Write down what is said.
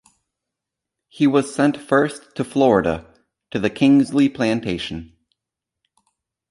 He was sent first to Florida, to the Kingsley Plantation.